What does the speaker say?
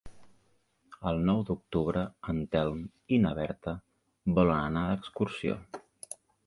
El nou d'octubre en Telm i na Berta volen anar d'excursió.